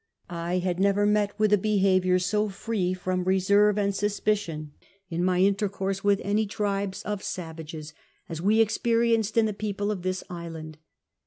I had never met with a behaviour so free from reserve and suspicion, in my intercourse with any tribes of savages, as we experienced in the people of this island.